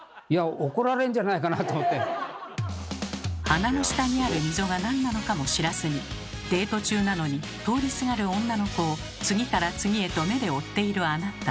鼻の下にある溝が何なのかも知らずにデート中なのに通りすがる女の子を次から次へと目で追っているあなた。